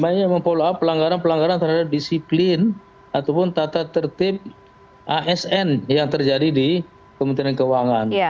banyak memfollow up pelanggaran pelanggaran terhadap disiplin ataupun tata tertib asn yang terjadi di kementerian keuangan